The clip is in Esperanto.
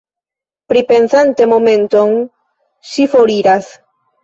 Pripensante momenton, ŝi foriras.